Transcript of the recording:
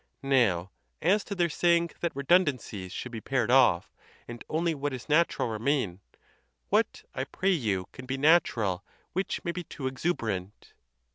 Now, as to their saying that redundancies should be pared off, and only what is natural remain, what, I pray you, can be natural which may be too exuberant